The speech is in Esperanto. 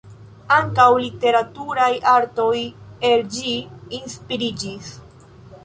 Ankaŭ literaturaj artoj el ĝi inspiriĝis.